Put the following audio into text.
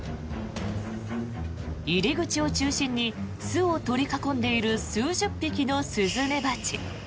入り口を中心に巣を取り囲んでいる数十匹のスズメバチ。